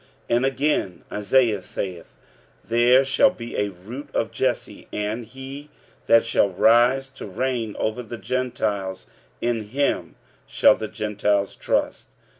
45:015:012 And again, Esaias saith, There shall be a root of Jesse, and he that shall rise to reign over the Gentiles; in him shall the Gentiles trust.